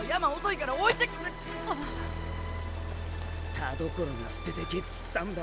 田所が捨ててけっつったんだよ。